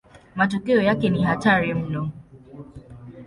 Matokeo yake ni hatari mno.